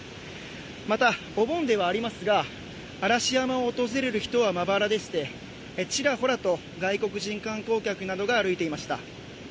また、お盆ではありますが嵐山を訪れる人はまばらでしてちらほらと外国人観光客などが歩いていました。